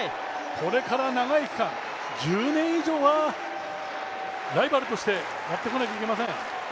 これから長い期間、１０年以上はライバルとしてやってこないといけません。